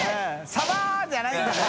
サバ！」じゃないんだね。